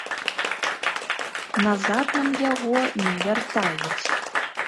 Назад нам яго не вяртаюць.